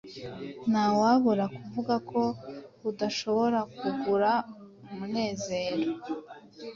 Ntawabura kuvuga ko udashobora kugura umunezero.